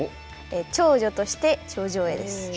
長女として頂上へです。